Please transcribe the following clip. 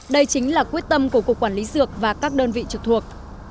đây chính là quyết tâm của cục quản lý dược và các đơn vị trực thuộc